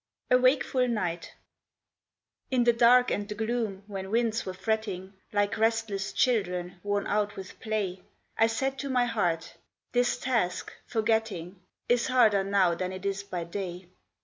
A WAKEFUL NIGHT In the dark and the gloom when winds were fretting Like restless children worn out with play, I said to my heart, 'This task, forgetting Is harder now than it is by day.